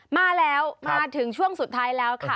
มาแล้วมาถึงช่วงสุดท้ายแล้วค่ะ